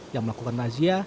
yang melakukan nasia